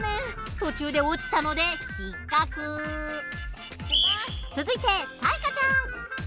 途中で落ちたので続いて彩加ちゃん。